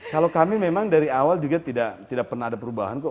kalau kami memang dari awal juga tidak pernah ada perubahan kok